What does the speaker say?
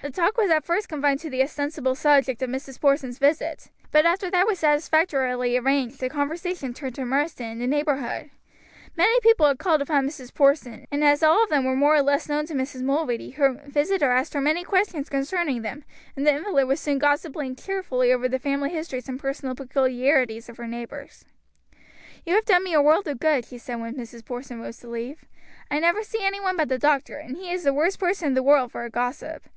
The talk was at first confined to the ostensible subject of Mrs. Porson's visit; but after that was satisfactorily arranged the conversation turned to Marsden and the neighborhood. Many people had called upon Mrs. Porson, and as all of them were more or less known to Mrs. Mulready, her visitor asked her many questions concerning them, and the invalid was soon gossiping cheerfully over the family histories and personal peculiarities of her neighbors. "You have done me a world of good," she said when Mrs. Porson rose to leave. "I never see any one but the doctor, and he is the worst person in the world for a gossip.